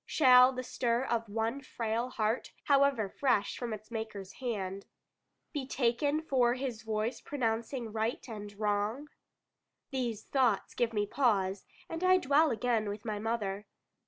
Shall the stir of one frail heart, however fresh from its Maker's hand, be taken for His voice pronouncing right and wrong? These thoughts give me pause, and I dwell again with my mother.